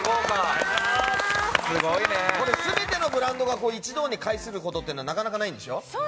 全てのブランドが一堂に会することはなかなかないんでしょ？